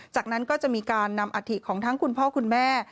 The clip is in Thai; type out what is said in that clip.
จากนั้นก็จะมีการนำอัฐิของทั้งคุณพ่อคุณแม่